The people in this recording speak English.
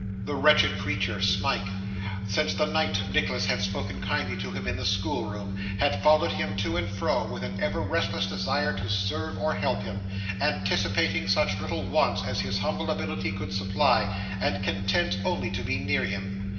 The wretched creature, Smike, since the night Nicholas had spoken kindly to him in the schoolroom, had followed him to and fro, with an ever restless desire to serve or help him; anticipating such little wants as his humble ability could supply, and content only to be near him.